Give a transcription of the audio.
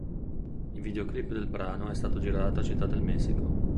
Il videoclip del brano è stato girato a Città del Messico.